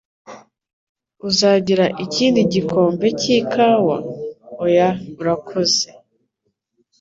Uzagira ikindi gikombe cy'ikawa?" "Oya, urakoze."